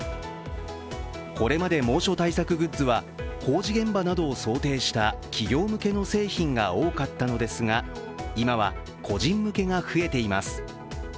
これまで猛暑対策グッズは工事現場などを想定した企業向けの製品が多かったのですが今は、個人向けが増えています。